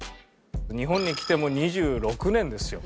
日本に来てもう２６年ですよ。